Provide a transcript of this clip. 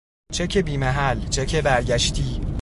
چک بی محل، چک برگشتی